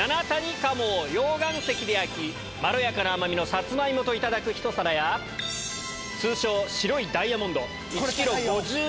溶岩石で焼きまろやかな甘みのサツマイモといただくひと皿や通称白いダイヤモンド。